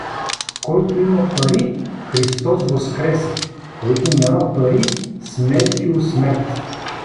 — Който има пари — „Христос воскресе“; който няма пари — „Смертию смерт!“